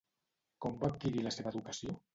Com va adquirir la seva educació?